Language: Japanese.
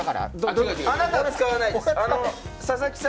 あなたは使わないです。